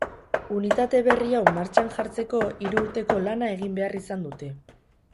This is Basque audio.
Unitate berri hau martxan jartzeko hiru urteko lana egin behar izan dute.